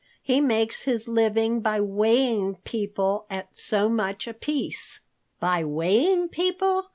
He makes his living by weighing people at so much apiece." "By weighing people?"